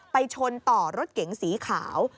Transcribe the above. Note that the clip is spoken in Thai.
ชนต่อรถเก๋งสีขาว